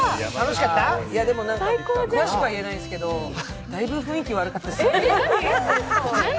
詳しくは言えないんですけどだいぶ雰囲気悪かったです。